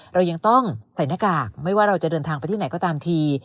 เรายังต้องใส่หน้ากากไม่ว่าเราจะเดินทางไปที่ไหนก็ตามที